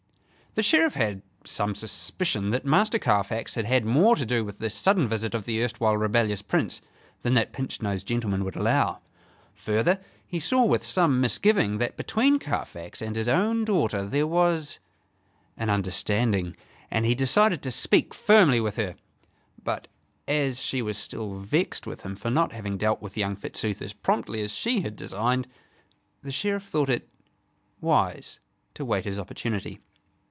The Sheriff had some suspicion that Master Carfax had had more to do with this sudden visit of the erstwhile rebellious Prince than that pinch nosed gentleman would allow. Further, he saw with some misgiving that between Carfax and his own daughter there was an understanding, and he decided to speak firmly with her; but, as she was still vexed with him for not having dealt with young Fitzooth as promptly as she had designed, the Sheriff thought it wise to wait his opportunity.